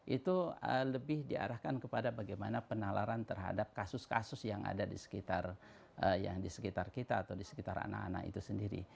itu lebih diarahkan kepada bagaimana penalaran terhadap kasus kasus yang ada di sekitar kita atau di sekitar anak anak itu sendiri